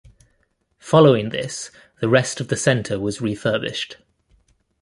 Following this the rest of the centre was refurbished.